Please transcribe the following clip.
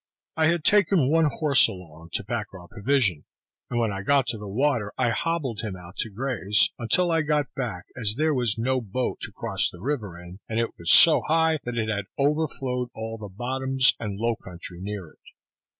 I had taken one horse along, to pack our provision, and when I got to the water I hobbled him out to graze, until I got back; as there was no boat to cross the river in, and it was so high that it had overflowed all the bottoms and low country near it.